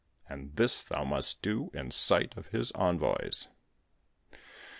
And this thou must do in sight of his envoys.'